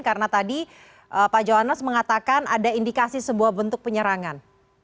karena tadi pak johannes mengatakan ada indikasi sebuah bentuk penyerangan